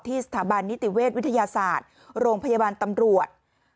สถาบันนิติเวชวิทยาศาสตร์โรงพยาบาลตำรวจ